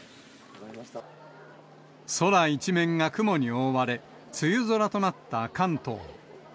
空一面が雲に覆われ、梅雨空となった関東。